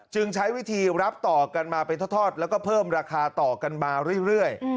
ใช้วิธีรับต่อกันมาเป็นทอดแล้วก็เพิ่มราคาต่อกันมาเรื่อย